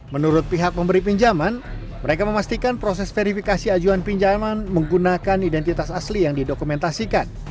menurut pihak pemberi pinjaman mereka memastikan proses verifikasi ajuan pinjaman menggunakan identitas asli yang didokumentasikan